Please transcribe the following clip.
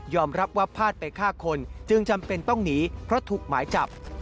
รับว่าพลาดไปฆ่าคนจึงจำเป็นต้องหนีเพราะถูกหมายจับ